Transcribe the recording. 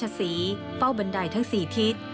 ราชศรีเฝ้าบันไดทั้ง๔ทิศ